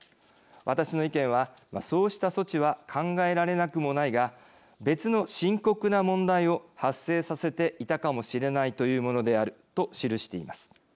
私の意見はそうした措置は考えられなくもないが別の深刻な問題を発生させていたかもしれないというものである」と記しています。